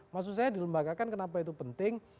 maksud saya dilembagakan kenapa itu penting